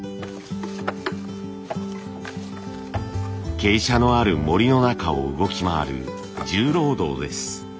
傾斜のある森の中を動き回る重労働です。